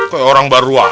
kayak orang baruan